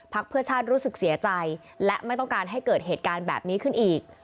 เพื่อชาติรู้สึกเสียใจและไม่ต้องการให้เกิดเหตุการณ์แบบนี้ขึ้นอีก